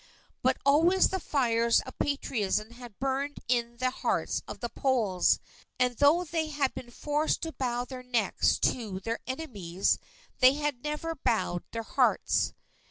But always the fires of Patriotism had burned in the hearts of the Poles, and though they had been forced to bow their necks to their enemies they had never bowed their hearts.